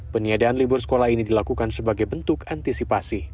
peniadaan libur sekolah ini dilakukan sebagai bentuk antisipasi